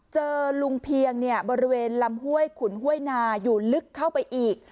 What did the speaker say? เจอลุงเพียงบริเวณลำห้วยขุนห้วยนาอยู่ลึกเข้าไปอีก